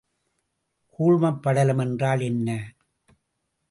கூழ்மப் படலம் என்றால் என்ன?